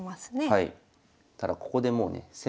はい。